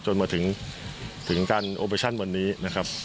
จนมาถึงการโอเปชั่นวันนี้นะครับ